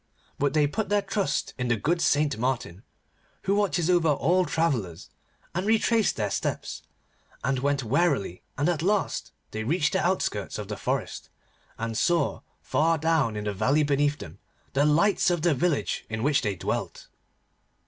But they put their trust in the good Saint Martin, who watches over all travellers, and retraced their steps, and went warily, and at last they reached the outskirts of the forest, and saw, far down in the valley beneath them, the lights of the village in which they dwelt.